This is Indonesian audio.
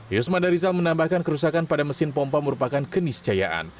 yusman darizal menambahkan kerusakan pada mesin pompa merupakan keniscayaan